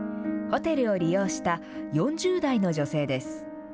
ホテルを利用した４０代の女性です。